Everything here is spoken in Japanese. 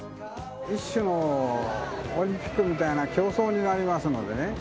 一種のオリンピックみたいな競争になりますのでね。